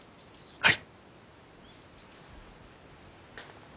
はい！